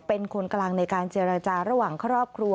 เป็นคนกลางในการเจรจาระหว่างครอบครัว